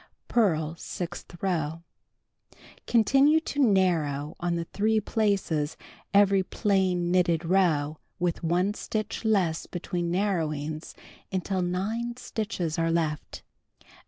Purl sixth row. Continue to narrow in the 3 places eveiy plain knitted row with 1 stitch less between narrowings until 9 stitches are left.